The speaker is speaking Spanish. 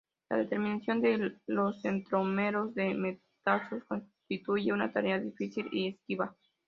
La determinación de los centrómeros de metazoos constituye una tarea difícil y esquiva.